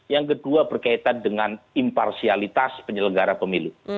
yang kedua berkaitan dengan imparsialitas penyelenggara pemilu